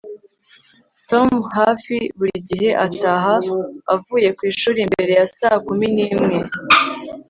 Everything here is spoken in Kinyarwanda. Tom hafi buri gihe ataha avuye kwishuri mbere ya saa kumi nimwe